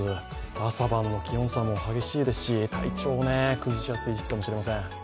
朝晩の気温差も激しいですし、体調を崩しやすい日々かもしれません。